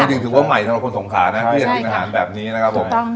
จริงถึงว่าใหม่ทุกคนสงขาที่จะกินอาหารแบบนี้นะครับ